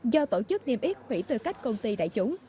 do tổ chức niêm yết hủy tư cách công ty đại chúng